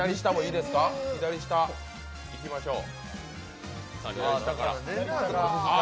左下、いきましょう。